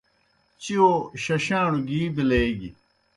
چِیؤ ششاݨوْ گی بِلیگیْ۔